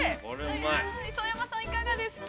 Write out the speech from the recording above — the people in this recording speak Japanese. ◆磯山さん、いかがですか。